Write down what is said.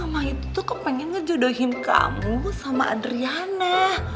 mama itu tuh kepengen ngejodohin kamu sama adriana